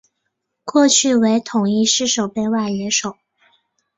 过去为统一狮守备外野手。